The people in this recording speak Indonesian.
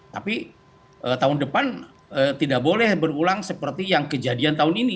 tapi tahun depan tidak boleh berulang seperti yang kejadian tahun ini